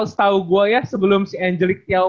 setahu gue ya sebelum si angelic tiaw